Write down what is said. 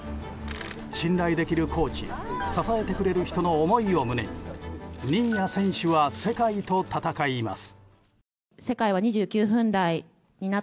信頼できるコーチや支えてくれる人の思いを胸に新谷選手は世界と戦います。